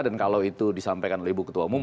dan kalau itu disampaikan oleh ibu ketua umum